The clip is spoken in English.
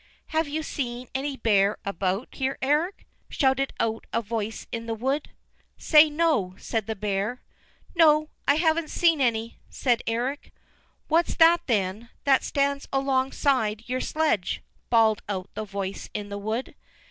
"Have you seen any bear about here, Eric?" shouted out a voice in the wood. "Say no," said the bear. "No, I haven't seen any," said Eric. "What's that, then, that stands alongside your sledge?" bawled out the voice in the wood.